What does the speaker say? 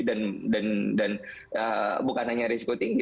dan bukan hanya resiko tinggi